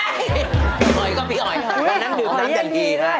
อ๋อยก็พี่อ๋อยน้ำดื่มน้ำอย่างดีค่ะ